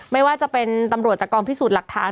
ไม่ว่าจะเป็นตำรวจจากกองพิสูจน์หลักฐาน